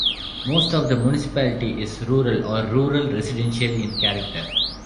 Most of the Municipality is rural or rural-residential in character.